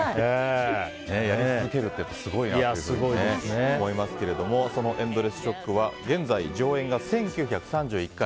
やり続けるってすごいなと思いますけども「ＥｎｄｌｅｓｓＳＨＯＣＫ」は現在上演が１９３１回。